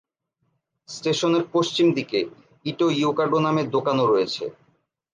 স্টেশনের পশ্চিম দিকে ইটো-ইউকাডো নামে দোকান ও রয়েছে।